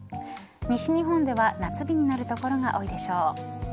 西日本では夏日になる所が多いでしょう。